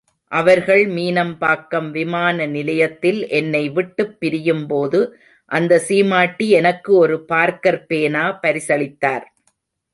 அவர்கள் மீனம்பாக்கம் விமான நிலையத்தில் என்னை விட்டுப் பிரியும்போது அந்த சீமாட்டி எனக்கு ஒரு பார்க்கர் பேனா பரிசளித்தார்.